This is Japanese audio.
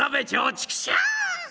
「チクショー！